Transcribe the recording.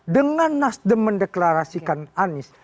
dengan nasdem mendeklarasikan anies